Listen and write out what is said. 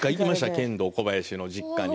ケンドーコバヤシの実家に。